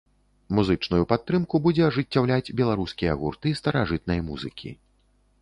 Музычную падтрымку будзе ажыццяўляць беларускія гурты старажытнай музыкі.